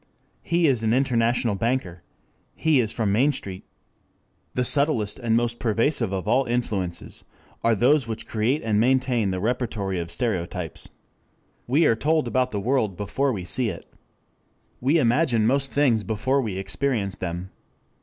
He is an international banker. He is from Main Street. The subtlest and most pervasive of all influences ere those which create and maintain the repertory of stereotypes. We are told about the world before we see it. We imagine most things before we experience them.